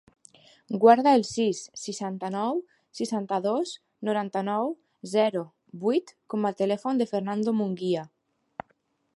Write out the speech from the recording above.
Guarda el sis, seixanta-nou, seixanta-dos, noranta-nou, zero, vuit com a telèfon del Fernando Munguia.